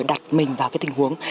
đặt mình vào cái tình huống